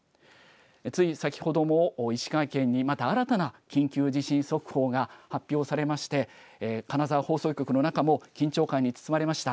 つい先ほども石川県にまた新たな緊急地震速報が発表されまして、金沢放送局の中も緊張感に包まれました。